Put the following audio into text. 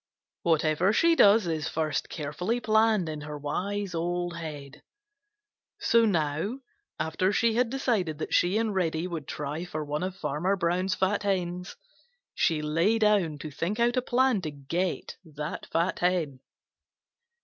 Whatever she does is first carefully planned in her wise old head. So now after she had decided that she and Reddy would try for one of Farmer Brown's fat hens, she lay down to think out a plan to get that fat hen.